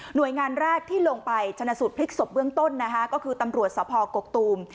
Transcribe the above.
โดยงานแรกที่ลงไปชนะสูตรพลิกศพเบื้องต้นนะคะก็คือตำรวจสภกกตูม